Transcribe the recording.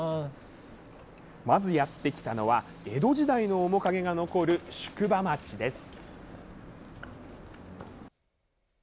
まずやって来たのは江戸時代の面影が残る宿場町です。